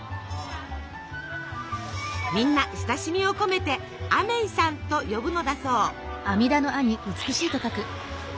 みんな親しみを込めてアメイさんと呼ぶのだそう。